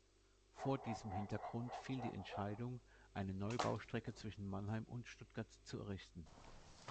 Vor diesem Hintergrund fiel die Entscheidung, eine Neubaustrecke zwischen Mannheim und Stuttgart zu errichten.